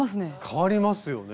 変わりますよね。